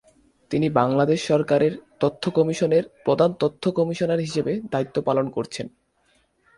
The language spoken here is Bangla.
তিনি বাংলাদেশ সরকারের তথ্য কমিশনের প্রধান তথ্য কমিশনার হিসেবে দায়িত্ব পালন করেছেন।